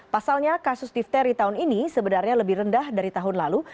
pasalnya kasus difteri tahun ini sebenarnya lebih rendah dari tahun lalu